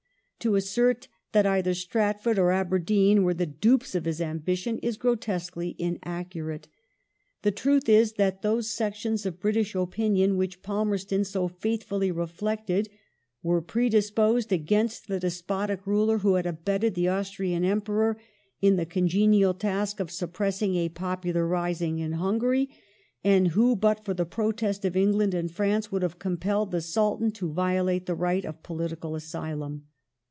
To assert that either Stratford or Aberdeen were the dupes of his ambition is grotesquely inaccurate* The truth is that those sections of British opinion which Palmerston so faithfully reflected were predisposed against the despotic ruler who had abetted the Austrian Emperor in the congenial task of suppressing a popular rising in Hungary, and who, but for the protest of Eng land and France, would have compelled the Sultan to violate the right of political asylum.